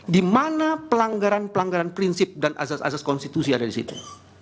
di mana pelanggaran pelanggaran prinsip dan asas asas konstitusi ada di situ